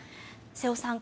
瀬尾さん